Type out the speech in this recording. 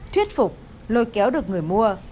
thuyết phục lôi kéo được người mua